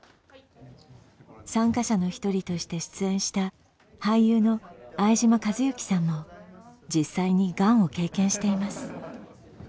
参加者の一人として出演した俳優の相島一之さんも実際にがんを経験しています。